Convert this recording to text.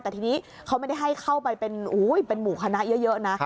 แต่ทีนี้เขาไม่ได้ให้เข้าไปเป็นหมู่คณะเยอะนะ